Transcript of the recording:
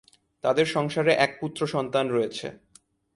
তাদের সংসারে এক পুত্র সন্তান রয়েছে।